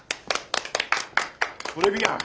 トレビアン。